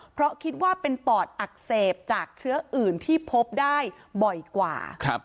เพราะคิดว่าเป็นปอดอักเสบจากเชื้ออื่นที่พบได้บ่อยกว่า